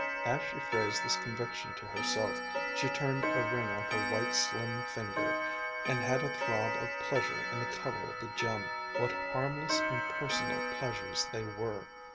As she phrased this conviction to herself, she turned a ring on her white slim finger and had a throb of pleasure in the color of the gem. What harmless, impersonal pleasures they were!